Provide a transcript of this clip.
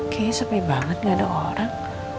kayaknya sepi banget gak ada orang